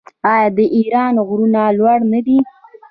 آیا د ایران غرونه لوړ نه دي؟